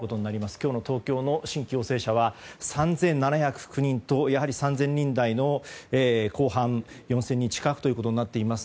今日の東京の新規陽性者は３７０９人と３０００人台の後半４０００人近くとなっています。